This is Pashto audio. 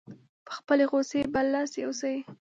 په خپلې غوسې برلاسی اوسي.